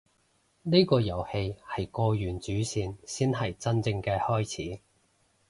呢個遊戲係過完主線先係真正嘅開始